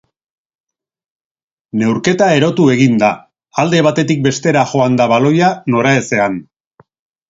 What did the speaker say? Neurketa erotu egin da, alde batetik bestera joan da baloia, noraezean.